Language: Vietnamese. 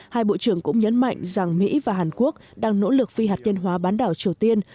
hai bộ trưởng cũng nhấn mạnh rằng mỹ và hàn quốc đang nỗ lực phi hạt nhân hóa bán đảo triều tiên